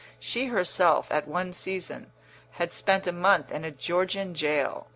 She herself, at one season, had spent a month in a Georgian jail.